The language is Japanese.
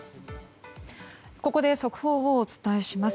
ここで速報をお伝えします。